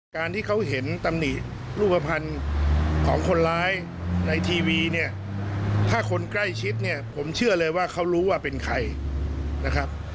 การที่เขาเห็นตำหนิรูปภัณฑ์ของคนร้ายในทีวีเนี่ยถ้าคนใกล้ชิดเนี่ยผมเชื่อเลยว่าเขารู้ว่าเป็นใครนะครับ